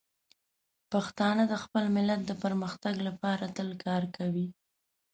پښتانه د خپل ملت د پرمختګ لپاره تل کار کوي.